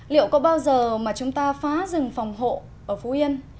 liệu có bao giờ mà chúng ta phá rừng phòng hộ ở phú yên